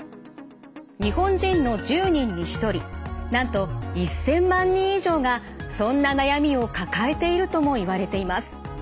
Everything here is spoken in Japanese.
日本人の１０人に１人なんと１，０００万人以上がそんな悩みを抱えているともいわれています。